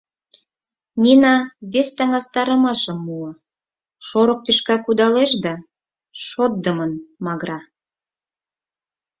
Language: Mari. Нина вес таҥастарымашым муо: шорык тӱшка кудалеш да шотдымын магыра.